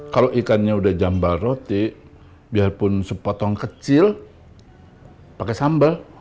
kalau ikannya udah jambal roti biarpun sepotong kecil pakai sambal